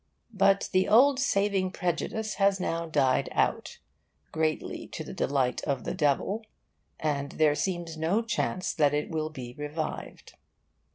But the old saving prejudice has now died out (greatly to the delight of the Devil), and there seems no chance that it will be revived.